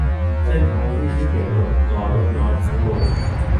- เส้นทางวิ่งที่เปลี่ยนรถ-รอรถน้อยครั้งลง